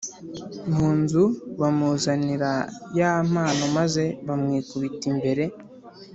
mu nzu bamuzanira ya mpano maze bamwikubita imbere